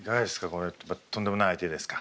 これとんでもない相手ですか？